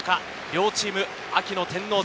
両チーム、秋の天王山